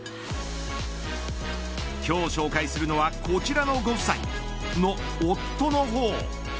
今日紹介するのはこちらのご夫妻の夫の方。